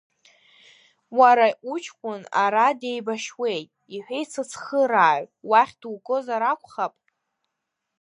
Уара уҷкәын ара деибашьуеит, — иҳәеит сыцхырааҩ, уахь дугозар акәхап?